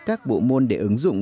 các bộ môn để ứng dụng